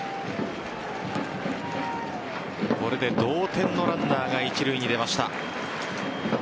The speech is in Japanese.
これで同点のランナーが一塁に出ました。